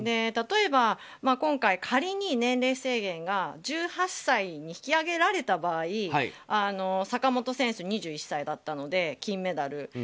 例えば、今回仮に年齢制限が１８歳に引き上げられた場合坂本選手、２１歳だったので金メダル。